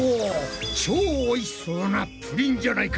超おいしそうなプリンじゃないか！